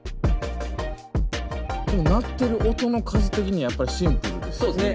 鳴ってる音の数的にやっぱりシンプルですね。